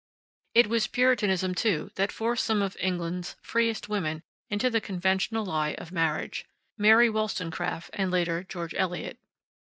It was Puritanism, too, that forced some of England's freest women into the conventional lie of marriage: Mary Wollstonecraft and, later, George Eliot.